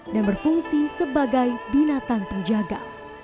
dan berfungsi sebagai binatan penjaga